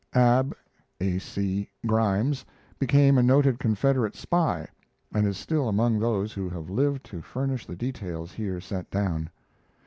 Ab (A. C.) Grimes became a noted Confederate spy and is still among those who have lived to furnish the details here set down.